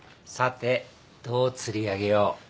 さてどう釣り上げよう。